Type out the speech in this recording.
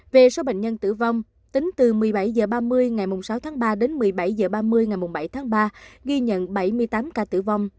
về số bệnh nhân tử vong tính từ một mươi bảy h ba mươi ngày sáu tháng ba đến một mươi bảy h ba mươi ngày bảy tháng ba ghi nhận bảy mươi tám ca tử vong